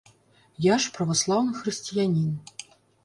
Я ж праваслаўны хрысціянін.